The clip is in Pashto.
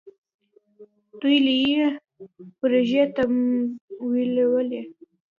دوی لویې پروژې تمویلوي.